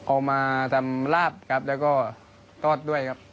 ออกมาทำราบแล้วก็ตอดด้วยครับ